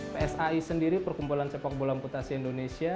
psi sendiri perkumpulan sepak bola amputasi indonesia